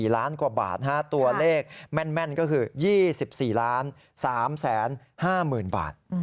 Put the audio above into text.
ล้านกว่าบาทตัวเลขแม่นก็คือ๒๔๓๕๐๐๐บาท